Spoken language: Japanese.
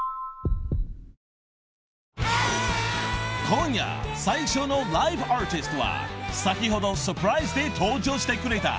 ［今夜最初のライブアーティストは先ほどサプライズで登場してくれた］